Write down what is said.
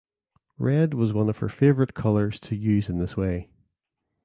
Red was one of her favorite colors to use in this way.